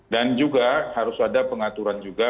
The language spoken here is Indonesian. dan juga harus ada pengaturan juga